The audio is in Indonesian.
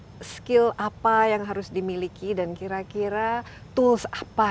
iya ini kira kira skill apa yang harus dimiliki dan kira kira tools apa